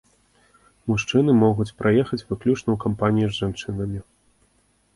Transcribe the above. Мужчыны могуць праехаць выключна ў кампаніі з жанчынамі.